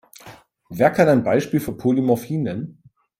Wer kann ein Beispiel für Polymorphie nennen?